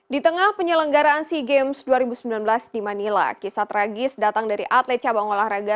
di tengah penyelenggaraan sea games dua ribu sembilan belas di manila kisah tragis datang dari atlet cabang olahraga